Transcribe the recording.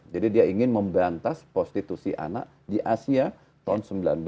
jadi dia ingin membantas prostitusi anak di asia tahun seribu sembilan ratus sembilan puluh tiga